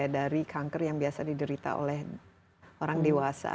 dari kanker yang biasa diderita oleh orang dewasa